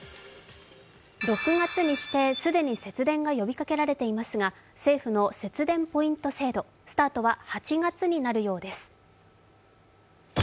６月にして既に節電が呼びかけられていますが政府の節電ポイント制度、スタートは８月になるようです。